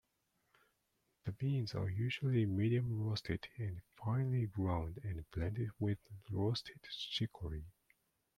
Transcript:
The beans are usually medium-roasted and finely ground and blended with roasted chicory.